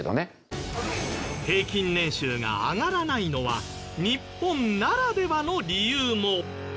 平均年収が上がらないのは日本ならではの理由も。